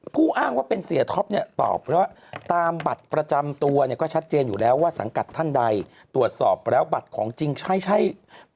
พูดอ้างว่าเป็นเสียท็อปตอบว่าตามบัตรประจำตัวก็ชัดเจนอยู่แล้วว่าสังกัดท่านใดตรวจสอบแล้วบัตรของจริงใช่ไม่ใช่หรือครับ